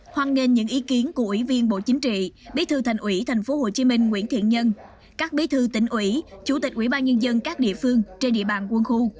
hoan nghênh những ý kiến của ủy viên bộ chính trị bí thư thành ủy tp hcm nguyễn thiện nhân các bí thư tỉnh ủy chủ tịch ủy ban nhân dân các địa phương trên địa bàn quân khu